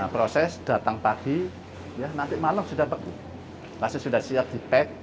nah proses datang pagi ya nanti malam sudah siap di pack